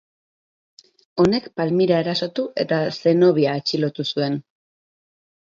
Honek Palmira erasotu eta Zenobia atxilotu zuen.